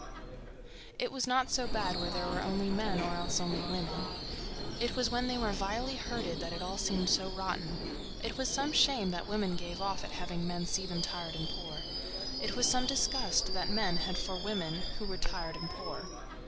It was not so bad where there were only men or else only women; it was when they were vilely herded that it all seemed so rotten. It was some shame that women gave off at having men see them tired and poor—it was some disgust that men had for women who were tired and poor.